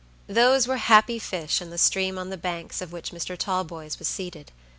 Those were happy fish in the stream on the banks of which Mr. Talboys was seated.